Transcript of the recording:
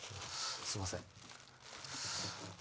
すんません。